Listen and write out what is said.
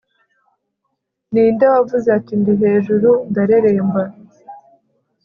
ninde wavuze ati 'ndi hejuru, ndareremba